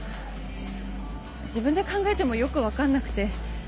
自分で考えてもよく分かんなくて。